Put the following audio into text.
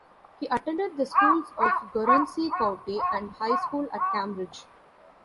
He attended the schools of Guernsey County, and high school at Cambridge.